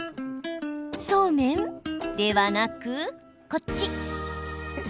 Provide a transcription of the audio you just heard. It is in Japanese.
そうめんではなく、こっち。